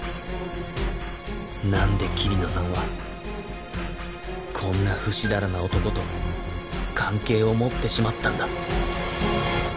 なんで桐野さんはこんなふしだらな男と関係を持ってしまったんだ